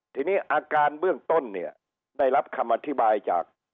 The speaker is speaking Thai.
ทีนี้อาการเบื้องต้นเนี่ยได้รับคำอธิบายจาก